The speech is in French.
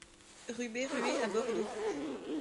Rue Berruer à Bordeaux